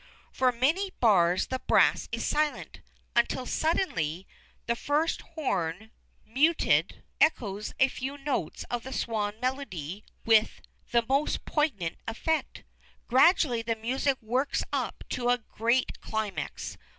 For many bars the brass is silent, until suddenly the first horn (muted) echoes a few notes of the swan melody with the most poignant effect. Gradually the music works up to a great climax